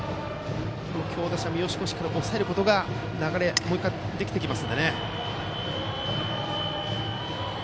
強打者の三好君を抑えると流れがもう１回できてきます。